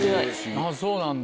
あぁそうなんだ。